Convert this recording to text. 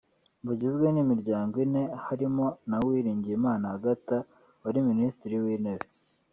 bagizwe n’imiryango ine harimo na Uwiringiyimana Agathe wari Minisitiri w’Intebe